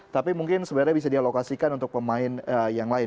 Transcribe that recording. tapi mungkin sebenarnya bisa dialokasikan untuk pemain yang lain